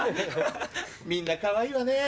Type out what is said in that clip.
みんなかわいいわね。